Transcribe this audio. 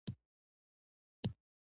غټ ماهی په سیند کې ښکاري